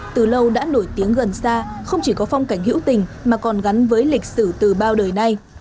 từ lâu đã nổi tiếng gần xa không chỉ có phong cảnh hữu tình mà còn gắn với lịch sử từ bao đời nay